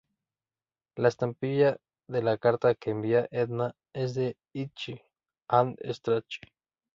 La estampilla de la carta que envía Edna es de Itchy and Scratchy.